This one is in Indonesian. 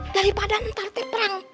daripada ntar teperang